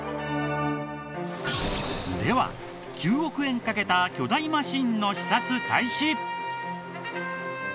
では９億円かけた巨大マシーンの視察開始。